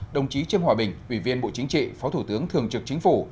đồng chí trương hòa bình ủy viên bộ chính trị phó thủ tướng thường trực chính phủ